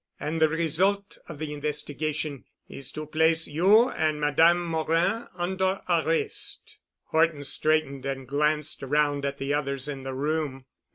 And the result of the investigation is to place you and Madame Morin under arrest." Horton straightened and glanced around at the others in the room.